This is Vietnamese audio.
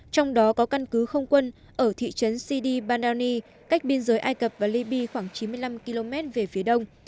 trong đó có căn cứ không quân ở thị trấn cidy bandani cách biên giới ai cập và libya khoảng chín mươi năm km về phía đông